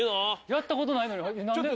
やったことないのに何で？